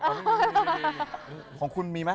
สิ่งว่าของคุณมีไหม